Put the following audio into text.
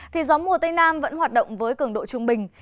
thì gió mùa tây nam vẫn hoạt động với cường độ trung bình